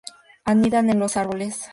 Anidan en los árboles.